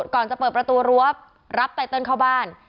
ก่อนจะเปิดประตูรั้วรับไตเติลเข้าบ้าน